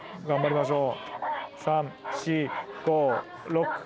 頑張りましょう。